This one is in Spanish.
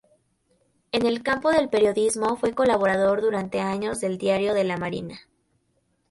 En el campo del periodismo fue colaborador durante años del Diario de la Marina.